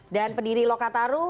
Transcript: dan pendiri lokataru